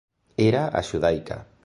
Era a xudaica.